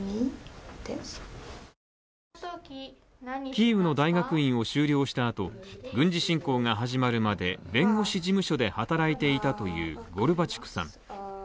キーウの大学院を修了したあと、軍事侵攻が始まるまで弁護士事務所で働いていたというゴルバチュクさん。